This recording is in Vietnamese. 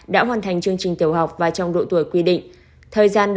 đã hoàn thành chương trình tiểu học và trong độ tuổi quy định